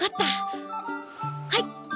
はい。